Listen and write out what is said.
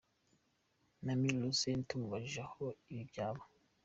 Mimi LaRose tumubajije aho ibi byaba.